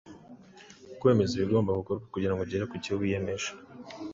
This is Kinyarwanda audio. Kwemeza ibigomba gukorwa kugira ngo ugere ku cyo wiyemeje;